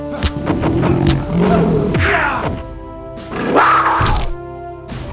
sekarang saya bisa keluar ke bandara managik